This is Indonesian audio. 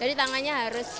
jadi tangannya harus